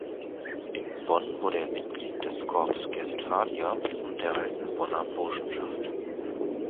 In Bonn wurde er Mitglied des Corps Guestphalia und der "Alten Bonner Burschenschaft".